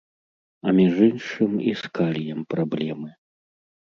А між іншым, і з каліем праблемы.